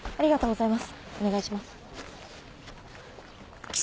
お願いします。